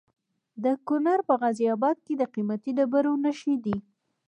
د کونړ په غازي اباد کې د قیمتي ډبرو نښې دي.